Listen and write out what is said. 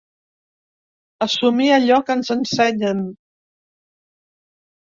Assumir allò que ens ensenyen.